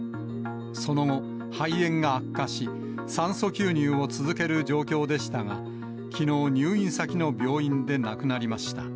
その後、肺炎が悪化し、酸素吸入を続ける状況でしたが、きのう、入院先の病院で亡くなりました。